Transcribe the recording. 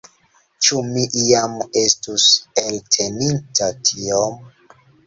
Ĉu mi iam estus elteninta tiom?